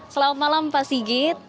selamat malam pak sigit